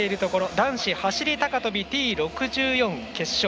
男子走り高跳びＴ６４決勝。